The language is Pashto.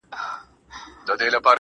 ځم د روح په هر رگ کي خندا کومه,